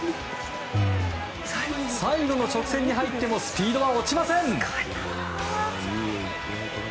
最後の直線に入ってもスピードは落ちません。